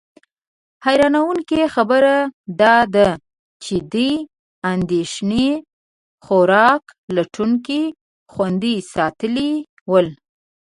حیرانونکې خبره دا ده چې دې اندېښنې خوراک لټونکي خوندي ساتلي ول.